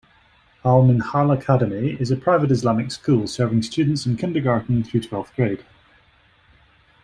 Al-Minhaal Academy is a private Islamic school serving students in kindergarten through twelfth grade.